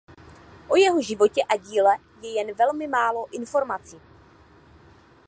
O jeho životě a díle je jen velmi málo informaci.